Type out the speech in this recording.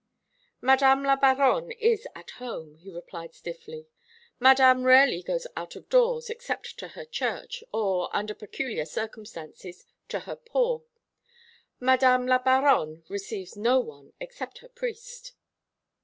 "Madame la Baronne is at home," he replied stiffly. "Madame rarely goes out of doors, except to her church, or, under peculiar circumstances, to her poor. Madame la Baronne receives no one except her priest."